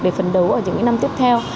để phần đấu ở những năm tiếp theo